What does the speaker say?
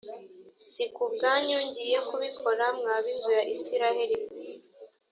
si ku bwanyu ngiye kubikora mwa b inzu ya isirayeli mwe